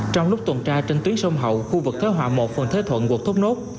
trong lúc tuần tra trên tuyến sông hậu khu vực thế họa một phần thế thuận quộc thốt nốt